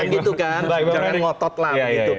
jangan ngotot lah